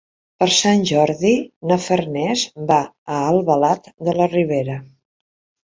Per Sant Jordi na Farners va a Albalat de la Ribera.